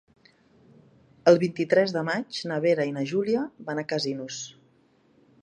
El vint-i-tres de maig na Vera i na Júlia van a Casinos.